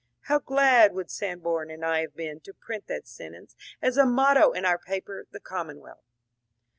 How glad would Sanborn and I have been to print that sentence as a motto in our paper, " The Commonwealth